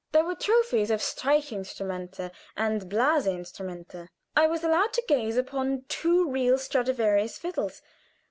There were trophies of Streichinstrumente and Blaseinstrumente. I was allowed to gaze upon two real Stradivarius fiddles.